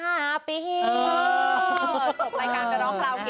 ตกรายการไปร้องเคราะห์เก่งก่อน